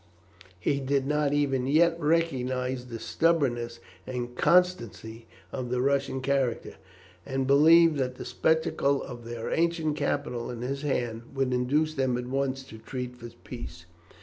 He did not even yet recognize the stubbornness and constancy of the Russian character, and believed that the spectacle of their ancient capital in his hands would induce them at once to treat for peace.